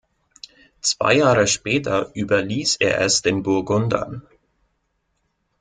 Zwei Jahre später überließ er es den Burgundern.